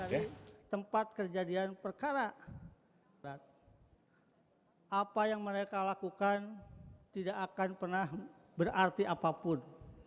di tempat kejadian perkara apa yang mereka lakukan tidak akan pernah berarti apapun